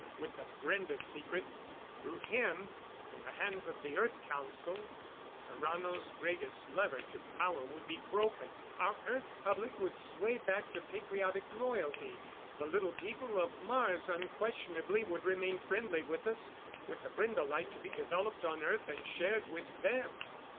With the Brende secret through him in the hands of the Earth Council, Tarrano's greatest lever to power would be broken. Our Earth public would sway back to patriotic loyalty. The Little People of Mars unquestionably would remain friendly with us, with the Brende light to be developed on Earth and shared with them.